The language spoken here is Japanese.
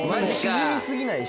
沈み過ぎないし。